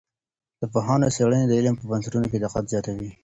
د پوهانو څېړنې د علم په بنسټونو کي دقت زیاتوي.